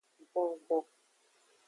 Gbongbon.